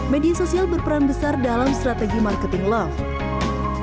media sosial berperan besar dalam strategi marketing love